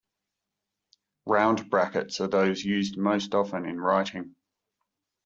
Round brackets are those used most often in writing.